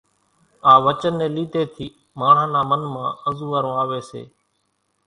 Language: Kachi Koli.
آ وچن ني لِيڌي ٿي ماڻۿان نا من مان انزوئارون آوي زائي